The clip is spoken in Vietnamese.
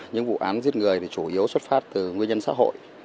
những vụ án giết người thì chủ yếu xuất phát từ nguyên nhân xã hội